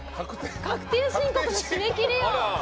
確定申告の締め切り！